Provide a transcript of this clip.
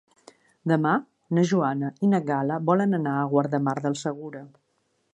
Demà na Joana i na Gal·la volen anar a Guardamar del Segura.